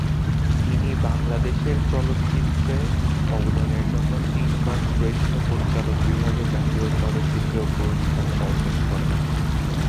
তিনি বাংলাদেশের চলচ্চিত্রে অবদানের জন্য তিন বার শ্রেষ্ঠ পরিচালক বিভাগে জাতীয় চলচ্চিত্র পুরস্কার অর্জন করেন।